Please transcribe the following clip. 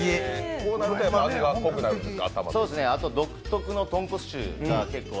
こうなると味が濃くなるんですか？